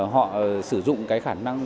họ sử dụng cái khả năng